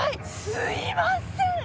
すいません。